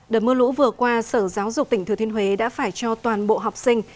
đợt mưa lũ vừa qua sở giáo dục tỉnh thừa thiên huế đã phải cho toàn bộ học sinh